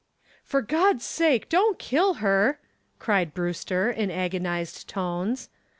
"For God's sake, don't kill her!" cried Brewster in agonized tones.